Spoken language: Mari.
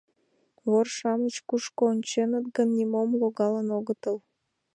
Вор-шамыч кушко онченыт гын, нимом логалын огытыл.